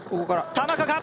田中か？